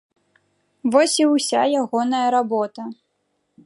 Вось і ўся ягоная работа.